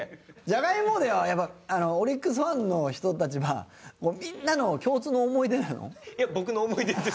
じゃがいもデーはやっぱオリックスファンの人たちはみんなの共通の思い出なの？